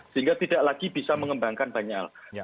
sehingga tidak lagi bisa mengembangkan banyak hal